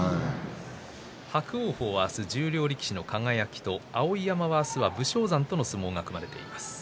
伯桜鵬は明日十両力士の輝碧山は明日は栃煌山との相撲が組まれています。